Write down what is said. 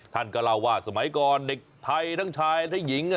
ท่านก็เล่าว่าสมัยก่อนเด็กไทยทั้งชายและหญิง